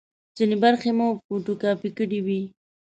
ځینې برخې مې فوټو کاپي کړې وې.